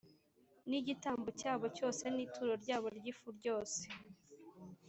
N igitambo cyabo cyose n ituro ryabo ry ifu ryose